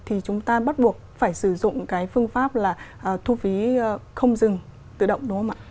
thì chúng ta bắt buộc phải sử dụng phương pháp thu phí không dừng tự động đúng không ạ